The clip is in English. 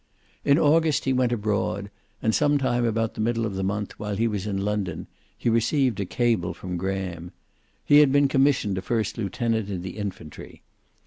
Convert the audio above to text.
In August he went abroad, and some time about the middle of the month while he was in London, he received a cable from Graham. He had been commissioned a first lieutenant in the infantry.